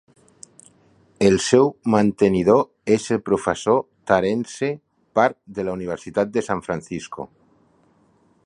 El seu mantenidor és el professor Terence Parr de la Universitat de San Francisco.